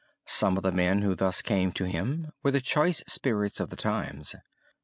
Some of the men who thus came to him were the choice spirits of the times.